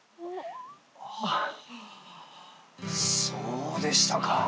そうでしたか。